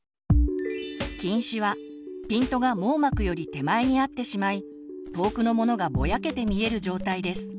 近視はピントが網膜より手前に合ってしまい遠くのものがぼやけて見える状態です。